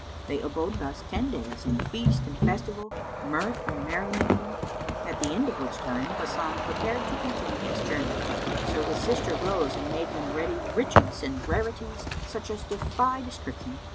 They abode thus ten days in feast and festival, mirth and merry making, at the end of which time Hasan prepared to continue his journey. So his sister rose and made him ready riches and rarities, such as defy description.